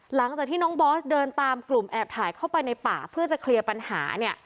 หลังจากที่น้องบอสเดินตามกลุ่มแอบถ่ายเข้าไปในป่าเพื่อจะเคลียร์ปัญหาเนี่ย